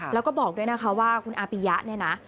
แล้วก็บอกด้วยนะคะว่าคุณอาปิยะเนี่ยนะ